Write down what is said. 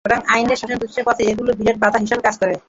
বরং আইনের শাসন প্রতিষ্ঠার পথে এগুলো বিরাট বাধা হিসেবে কাজ করে।